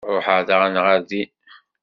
Ruḥeɣ daɣen ɣer din.